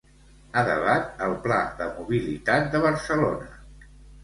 A debat el pla de mobilitat de Barcelona.